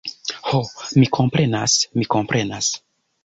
Ho, mi komprenas, mi komprenas.